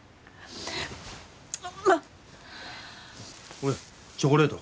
これチョコレート。